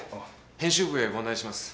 編集部へご案内します。